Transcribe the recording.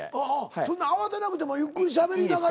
そんな慌てなくてもゆっくりしゃべりながら。